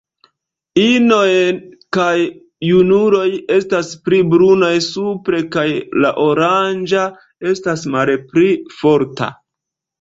Inoj kaj junuloj estas pli brunaj supre kaj la oranĝa estas malpli forta.